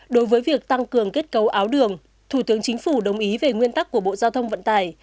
đối với việc tăng cường kết cấu áo đường thủ tướng chính phủ đồng ý về nguyên tắc của bộ giao thông vận tải